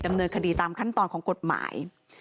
ดำเนินคดีตามขั้นตอนของกฎหมาย